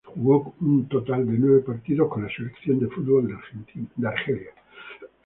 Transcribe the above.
Jugó un total de nueve partidos con la selección de fútbol de Argelia.